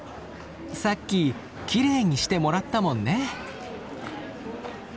さっききれいにしてもらったもんね。